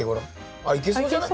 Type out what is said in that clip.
あっいけそうじゃない？